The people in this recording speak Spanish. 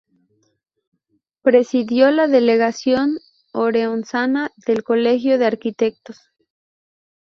Presidió la delegación orensana del Colegio de Arquitectos.